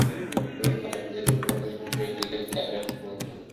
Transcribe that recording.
তবে এই পার্কের যেটা মূল আকর্ষণ সেই কেব্ল কার এখন বন্ধ।